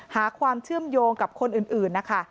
หาความเชื่อมโยงกับคนอื่นนะคะ